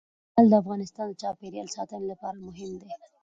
لعل د افغانستان د چاپیریال ساتنې لپاره مهم دي.